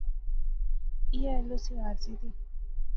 ایہہ ایل او سی عارضی دی